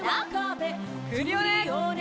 クリオネ！